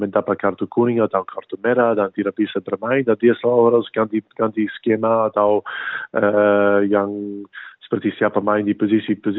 tapi kita lihat di ens